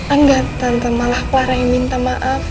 enggak tante malah clara yang minta maaf